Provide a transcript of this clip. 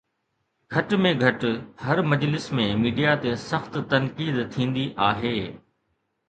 گهٽ ۾ گهٽ هر مجلس ۾ ميڊيا تي سخت تنقيد ٿيندي آهي.